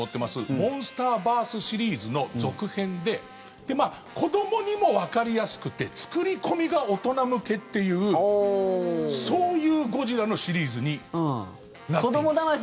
「モンスターバース」シリーズの続編で子どもにもわかりやすくて作り込みが大人向けっていうそういうゴジラのシリーズになっています。